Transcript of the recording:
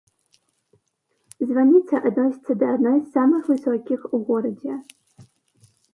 Званіца адносіцца да адной з самых высокіх у горадзе.